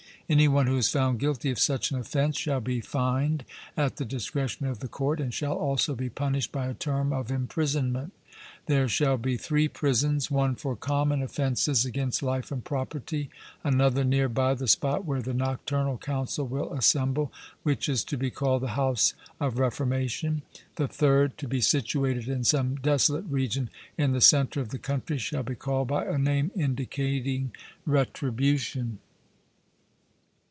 Any one who is found guilty of such an offence shall be fined at the discretion of the court, and shall also be punished by a term of imprisonment. There shall be three prisons one for common offences against life and property; another, near by the spot where the Nocturnal Council will assemble, which is to be called the 'House of Reformation'; the third, to be situated in some desolate region in the centre of the country, shall be called by a name indicating retribution.